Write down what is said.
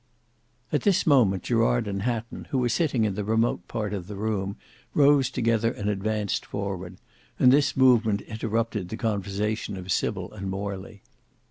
At this moment Gerard and Hatton who were sitting in the remote part of the room rose together and advanced forward; and this movement interrupted the conversation of Sybil and Morley.